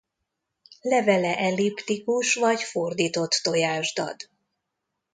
Levele elliptikus vagy fordított tojásdad.